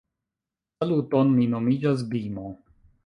Saluton, mi nomiĝas Bimo